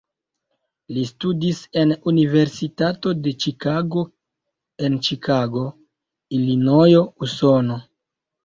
Li studis en Universitato de Ĉikago en Ĉikago, Ilinojo, Usono.